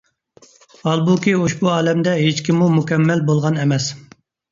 ھالبۇكى، ئۇشبۇ ئالەمدە ھېچكىممۇ مۇكەممەل بولغان ئەمەس.